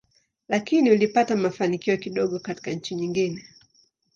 Lakini ulipata mafanikio kidogo katika nchi nyingine.